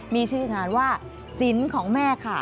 มีชื่องานว่าสินของแม่ค่ะ